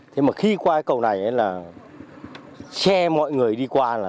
thế mà khi qua cầu này là xe mọi người đi qua là tôi không nhớ